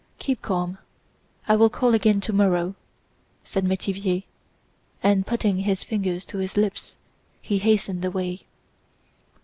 Keep calm, I will call again tomorrow," said Métivier; and putting his fingers to his lips he hastened away.